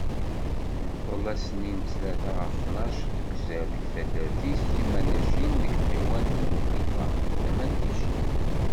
Yemḍel ass-nni n ttlata ɣef ṭnac n uzal deg taddart-is Timanacin deg tɣiwant n Buxlifa, tama n Tici.